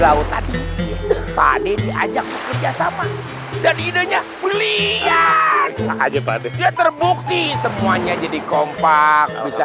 tahu tadi pade diajak bekerjasama dan idenya belian saja pada dia terbukti semuanya jadi kongsi